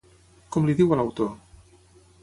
Com li diu a l'autor?